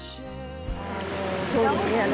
あのそうですね